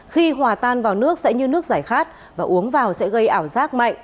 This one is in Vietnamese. khi hòa tan vào nước sẽ như nước giải khát và uống vào sẽ gây ảo giác mạnh